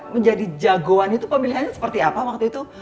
menjadi jagoannya itu pemilihannya seperti apa waktu itu